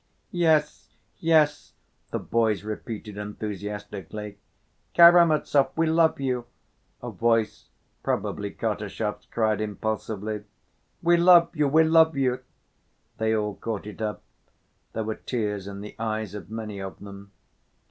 "Yes, yes," the boys repeated enthusiastically. "Karamazov, we love you!" a voice, probably Kartashov's, cried impulsively. "We love you, we love you!" they all caught it up. There were tears in the eyes of many of them.